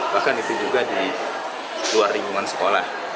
bahkan itu juga di luar lingkungan sekolah